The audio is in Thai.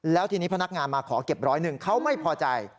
แล้วทีนี้พนักงานมาขอเก็บร้อยหนึ่งเขาไม่พอใจ